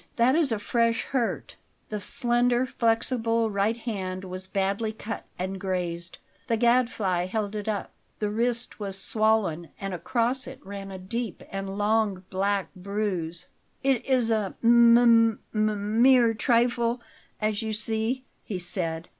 That is a fresh hurt." The slender, flexible right hand was badly cut and grazed. The Gadfly held it up. The wrist was swollen, and across it ran a deep and long black bruise. "It is a m m mere trifle, as you see," he said.